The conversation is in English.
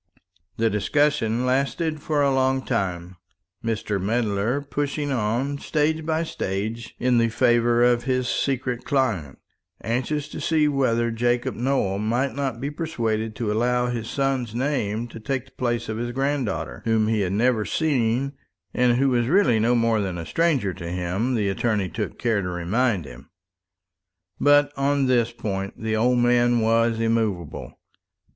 The discussion lasted for a long time; Mr. Medler pushing on, stage by stage, in the favour of his secret client, anxious to see whether Jacob Nowell might not be persuaded to allow his son's name to take the place of his granddaughter, whom he had never seen, and who was really no more than a stranger to him, the attorney took care to remind him. But on this point the old man was immovable.